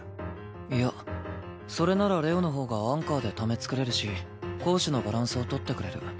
いやそれなら玲王のほうがアンカーでため作れるし攻守のバランスをとってくれる。